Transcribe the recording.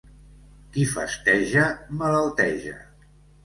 Qui festeja, malalteja.